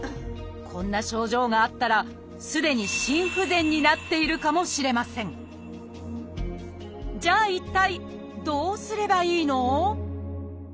こんな症状があったらすでに心不全になっているかもしれませんじゃあ一体どうすればいいの？